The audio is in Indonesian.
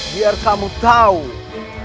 biar kamu dapat